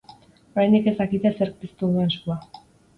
Oraindik ez dakite zerk piztu duen sua.